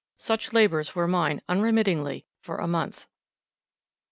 Such labours were mine unremittingly for a month.